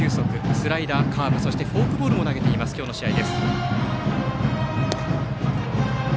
スライダー、カーブフォークボールも投げている今日の試合。